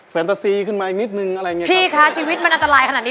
แฟนตาซีขึ้นมาอีกนิดนึงอะไรอย่างเงี้พี่คะชีวิตมันอันตรายขนาดนี้